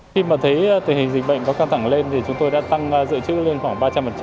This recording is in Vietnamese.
khi mà thấy tình hình dịch bệnh có căng thẳng lên thì chúng tôi đã tăng dự trữ lên khoảng ba trăm linh